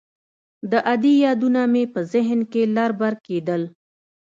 د ادې يادونه مې په ذهن کښې لر بر کېدل.